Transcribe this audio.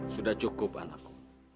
sudah cukup anakku